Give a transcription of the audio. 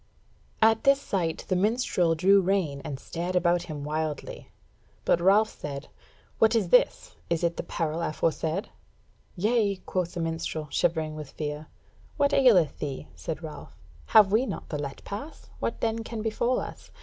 At this sight the minstrel drew rein and stared about him wildly; but Ralph said: "What is this, is it the peril aforesaid?" "Yea," quoth the minstrel, shivering with fear. "What aileth thee?" said Ralph; "have we not the let pass, what then can befall us?